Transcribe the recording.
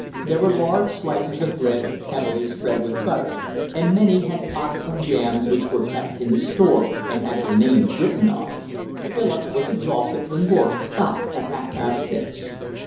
There were large slices of bread heavily spread with butter; and many had pots of jam, which were kept in the 'store' and had their names written on. Philip was exhausted when work stopped at half past six.